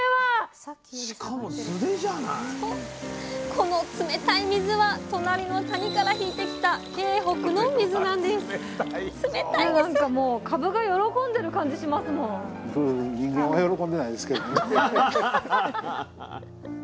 この冷たい水は隣の谷から引いてきた京北の水なんですアハハハハハハハハッ。